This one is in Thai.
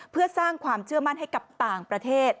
เพื่อสร้างความเชื่อมั่นให้กับต่างประเทศ